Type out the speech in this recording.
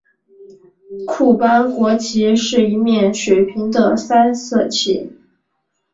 库班国旗是一面水平的三色旗。